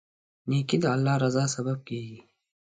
نیکي د الله رضا سبب کیږي.